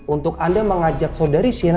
untuk anda mengajak saudari shina